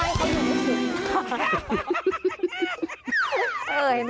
เกินเคยไหม